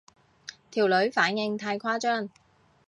條女反應太誇張